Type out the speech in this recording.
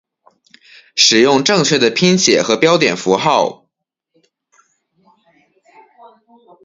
使用正确的拼写和标点符号